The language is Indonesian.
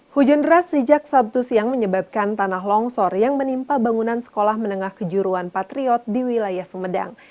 hujan deras sejak sabtu siang menyebabkan tanah longsor yang menimpa bangunan sekolah menengah kejuruan patriot di wilayah sumedang